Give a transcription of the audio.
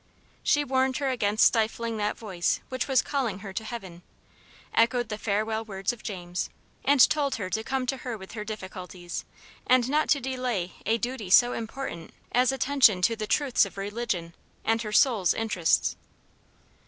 She warned her against stifling that voice which was calling her to heaven; echoed the farewell words of James, and told her to come to her with her difficulties, and not to delay a duty so important as attention to the truths of religion, and her soul's interests.